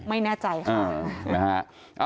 ไม่แน่ใจค่ะ